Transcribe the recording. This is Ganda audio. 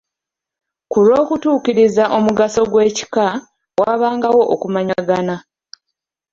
"Ku lw’okutuukiriza omugaso gw'ekika, waabangawo okumanyagana."